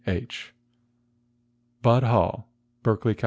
H. Budd Hall, Berkeley, Cal.